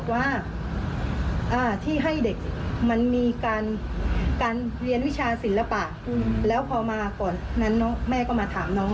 วิชาศิลปะแล้วพอมาก่อนนั้นแม่ก็มาถามน้อง